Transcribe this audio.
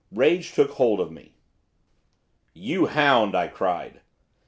Rage took hold of me. 'You hound!' I cried.